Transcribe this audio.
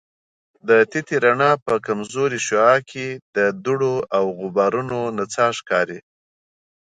د تتي رڼا په کمزورې شعاع کې د دوړو او غبارونو نڅا ښکاري.